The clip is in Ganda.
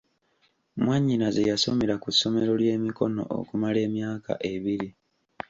Mwannyinaze yasomera ku ssomero ly'emikono okumala emyaka ebiri.